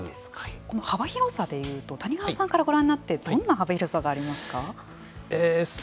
この幅広さでいうと谷川さんからご覧になってどんな幅広さがありますか。